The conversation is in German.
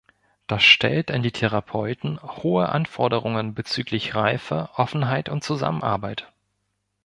Das stellt an die Therapeuten hohe Anforderungen bezüglich Reife, Offenheit und Zusammenarbeit.